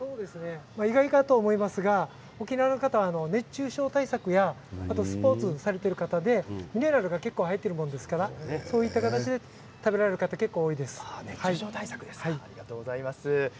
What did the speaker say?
意外かと思いますが沖縄の方は熱中症対策やスポーツをされている方でミネラルが結構入ってるものですからそういった形で熱中症対策ですかありがとうございます。